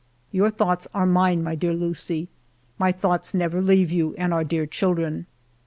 "Your thoughts are mine, my dear Lucie; my thoughts never leave you and our dear children.